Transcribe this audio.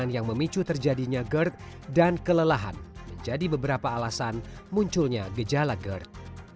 yang memicu terjadinya gerd dan kelelahan menjadi beberapa alasan munculnya gejala gerd